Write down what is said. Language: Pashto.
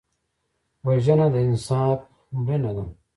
وژنه د انصاف مړینه ده